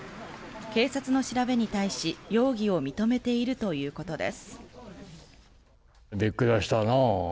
警察の調べに対し容疑を認めているということです。